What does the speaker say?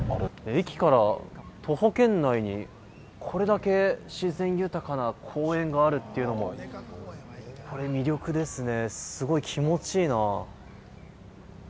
駅から徒歩圏内に、これだけ自然豊かな公園があるというのも、これ魅力ですね、すごい気持ちいいな。